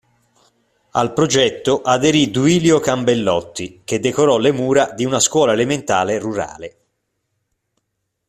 Al progetto aderì Duilio Cambellotti che decorò le mura di una scuola elementare rurale.